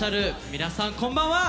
皆さんこんばんは！